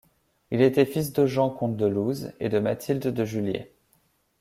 Il était fils de Jean, comte de Looz, et de Mathilde de Juliers.